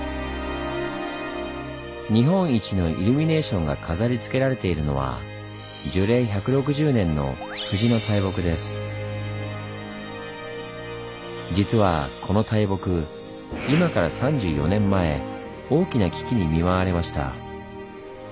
日本一のイルミネーションが飾りつけられているのは実はこの大木今から３４年前大きな危機に見舞われました。